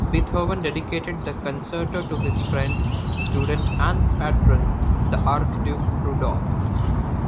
Beethoven dedicated the concerto to his friend, student, and patron, the Archduke Rudolph.